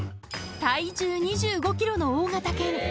体重２５ｋｇの大型犬